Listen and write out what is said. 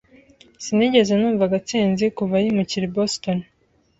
Sinigeze numva Gatsinzi kuva yimukira i Boston.